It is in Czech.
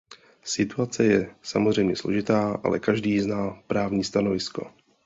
Situace je samozřejmě složitá, ale každý zná právní stanovisko.